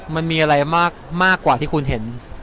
มันมีอะไรมากกว่าที่คุณเห็น